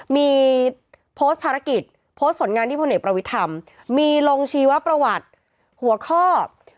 ที่ผลเนตปรวิทำมีลงชีวะกระวัติหัวเคาะ